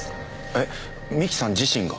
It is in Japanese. えっ三木さん自身が？